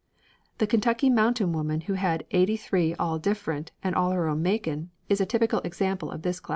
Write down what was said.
The Kentucky mountain woman who had "eighty three, all different, and all her own makin'," is a typical example of this class.